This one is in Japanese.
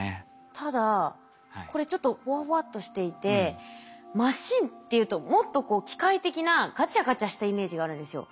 ただこれちょっとほわほわっとしていてマシンっていうともっと機械的なガチャガチャしたイメージがあるんですよ。